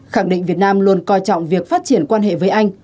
khẳng định việt nam luôn coi trọng việc phát triển quan hệ với anh